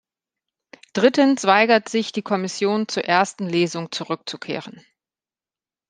Drittens weigert sich die Kommission, zur ersten Lesung zurückzukehren.